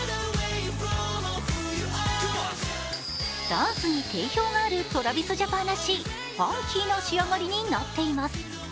ダンスに定評があるＴｒａｖｉｓＪａｐａｎらしいファンキーな仕上がりになっています。